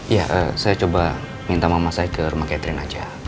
ya saya coba minta mama saya ke rumah catherine aja